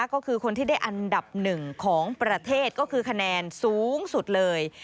ก็คือคนที่ได้อันดับหนึ่งของประเทศก็คือคะแนนสูงสุดเลย